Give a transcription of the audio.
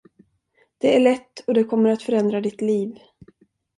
Det är lätt, och det kommer att förändra ditt liv.